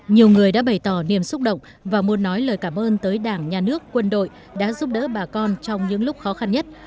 nhiều người đã bày tỏ niềm xúc động và muốn nói lời cảm ơn tới đảng nhà nước quân đội đã giúp đỡ bà con trong những lúc khó khăn nhất